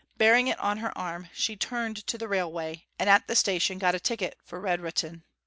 Bearing it on her arm she turned to the railway, and at the station got a ticket for Redrutin.